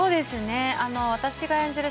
私が演じる